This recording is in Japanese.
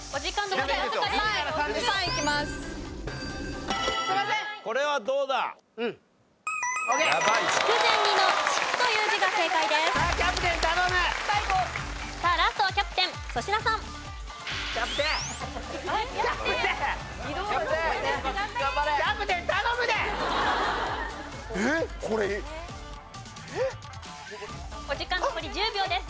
お時間残り１０秒です。